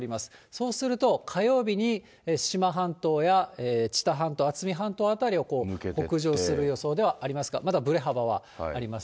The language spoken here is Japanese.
そうすると、火曜日に志摩半島や知多半島、あつみ半島辺りを北上する予想ではありますが、まだぶれ幅はあります。